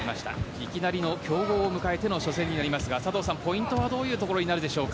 いきなりの強豪を迎えての初戦となりますが佐藤さん、ポイントはどういうところでしょうか？